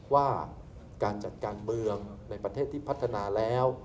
ว่าการจัดการเมืองในประเทศที่พัฒนาแล้ว